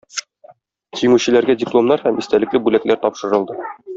Җиңүчеләргә дипломнар һәм истәлекле бүләкләр тапшырылды.